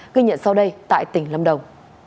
ghi nhận sau đây tại tỉnh lâm đồng